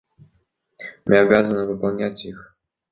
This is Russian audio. Мы обязаны выполнять их.